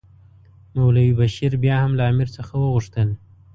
مولوي بشیر بیا هم له امیر څخه وغوښتل.